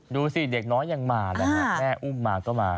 ดูสิเด็กน้อยยังมานะฮะแม่อุ้มมาก็มา